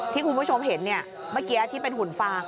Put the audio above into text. ที่คุณผู้ชมเห็นเมื่อกี้ที่เป็นหุ่นฟาง